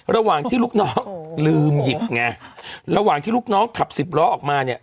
ระหว่างที่ลูกน้องลืมหยิบไงระหว่างที่ลูกน้องขับสิบล้อออกมาเนี่ย